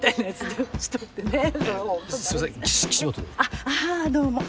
あっあぁどうも。